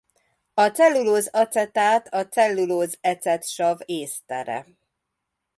A cellulóz-acetát a cellulóz ecetsav-észtere.